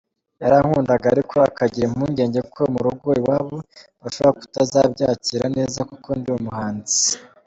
Yarankundaga ariko akagira impungenge ko mu rugo iwabo bashobora kutazabyakira neza kuko ndi umuhanzi.